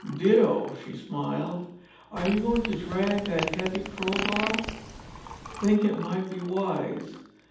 "Ditto," she smiled. "Are you going to drag that heavy crowbar?" "Think it might be wise.